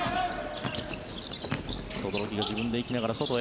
轟が自分で行きながら外へ。